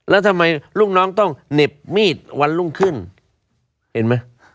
แล้วทำไมลูกน้องต้องเหน็บมีดวันรุ่งขึ้นเห็นไหม